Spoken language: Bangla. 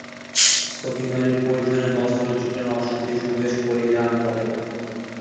সতী নারীর পরিধানে বস্ত্র জুটে না, অসতী সুবেশ পরিধান করে।